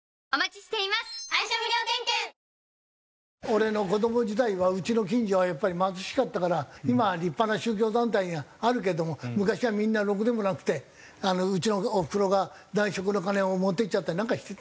俺の子ども時代はうちの近所はやっぱり貧しかったから今は立派な宗教団体があるけども昔はみんなろくでもなくてうちのおふくろが内職の金を持ってっちゃったりなんかしてたんだよ。